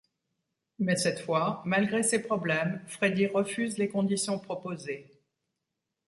Mais, cette fois, malgré ses problèmes, Freddy refuse les conditions proposées.